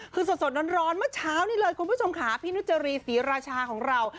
คือสดร้อนเมื่อเช้านี้เลยคุณผู้ชมค่ะพี่นุจรีศรีราชาของเรา